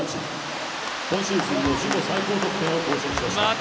「今シーズンの自己最高得点を更新しました」。